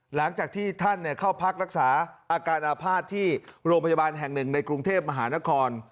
หลังจากที่ท่านเข้าพักรักษาอาการอาภาษณ์ที่โรงพยาบาลแห่งหนึ่งในกรุงเทพมหานคร